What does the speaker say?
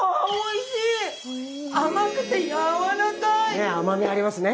ねっ甘みありますね。